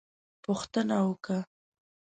_پوښتنه وکه!